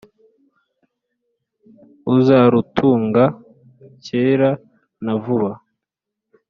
uzarutunga kera na vuba